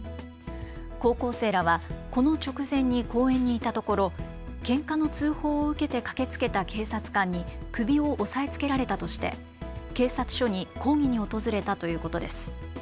高校生らはこの直前に公園にいたところけんかの通報を受けて駆けつけた警察官に首を押さえつけられたとして警察署に抗議に訪れたということです。